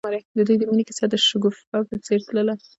د دوی د مینې کیسه د شګوفه په څېر تلله.